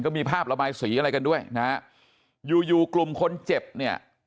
ก็มีภาพระบายสีอะไรกันด้วยนะฮะอยู่อยู่กลุ่มคนเจ็บเนี่ย